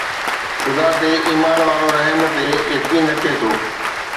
خدا تي ايمان وارو رحم تي يقين رکي ٿو